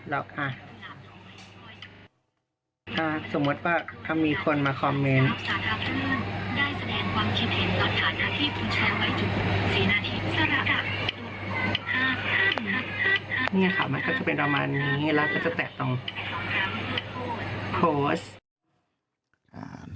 แล้วค่ะสมมติว่าถ้ามีคนมาคอมเมนต์